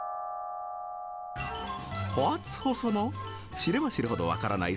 知れば知るほど分からない